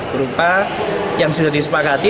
berupa yang sudah disepakati